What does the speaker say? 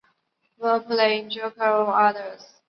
非甾体抗雄药不会降低雌激素水平。